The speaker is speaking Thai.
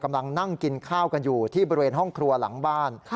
กำลังนั่งกินข้าวกันอยู่ที่บริเวณห้องครัวหลังบ้าน